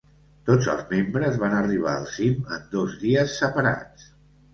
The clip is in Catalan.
Tots els membres van arribar al cim, en dos dies separats.